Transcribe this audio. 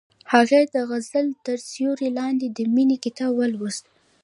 هغې د غزل تر سیوري لاندې د مینې کتاب ولوست.